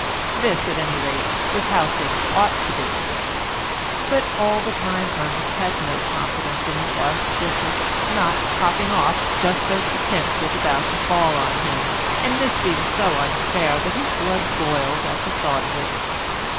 This, at any rate, was how things ought to be. But all the time Ernest had no confidence in the Archbishop's not hopping off just as the pinch was about to fall on him, and this seemed so unfair that his blood boiled at the thought of it.